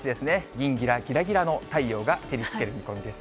ぎんぎらぎらぎらの太陽が照りつける見込みです。